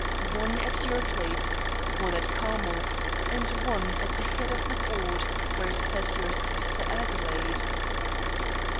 "One at your plate, one at Carmel's, and one at the head of the board where sat your sister Adelaide?"